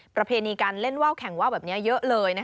ประเพณีการเล่นว่าวแข่งว่าวแบบนี้เยอะเลย